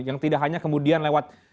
yang tidak hanya kemudian lewat